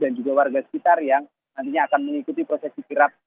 dan juga warga sekitar yang nantinya akan mengikuti proses kirap